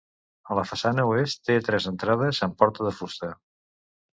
A la façana oest, té tres entrades amb porta de fusta.